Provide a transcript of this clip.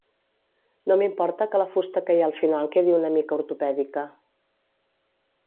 No m'importa que la fusta que hi ha al final quedi una mica ortopèdica.